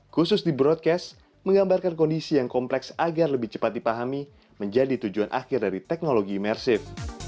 khusus di broadcast menggambarkan kondisi yang kompleks agar lebih cepat dipahami menjadi tujuan akhir dari teknologi imersif